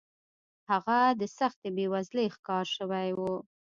هغه د سختې بېوزلۍ ښکار شوی و.